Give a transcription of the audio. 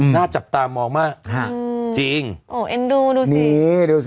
หน้าจับตามองมากฮะจริงโอ้เอ็นดูดูสิดูสิ